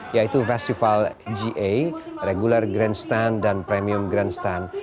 yaitu festival ga regular grandstand dan premium grandstand